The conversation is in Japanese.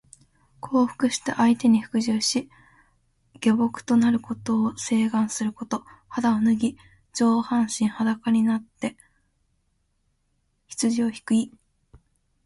降伏して相手に服従し、臣僕となることを請願すること。肌を脱ぎ、上半身裸になって羊をひく意。